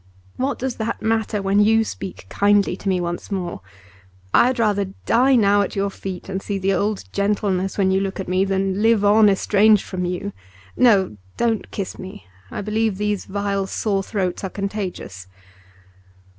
What does that matter when you speak kindly to me once more? I had rather die now at your feet and see the old gentleness when you look at me, than live on estranged from you. No, don't kiss me, I believe these vile sore throats are contagious.